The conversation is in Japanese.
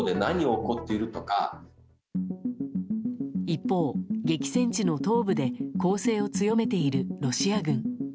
一方、激戦地の東部で攻勢を強めているロシア軍。